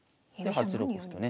８六歩とね。